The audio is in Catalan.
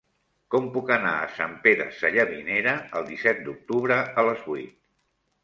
Com puc anar a Sant Pere Sallavinera el disset d'octubre a les vuit?